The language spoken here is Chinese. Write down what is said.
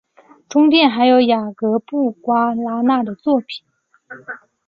中殿还有雅格布瓜拉纳的作品。